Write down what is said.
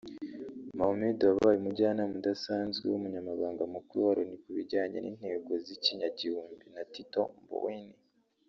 Mohammed wabaye Umujyanama udasanzwe w’Umunyamabanga Mukuru wa Loni ku bijyanye n’intego z’ikinyagihumbi na Tito Mboweni